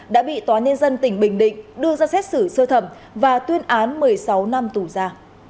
đã bị tòa nhân dân tỉnh bình định đưa ra xét xử sơ thẩm và tuyên án một mươi sáu năm tù ra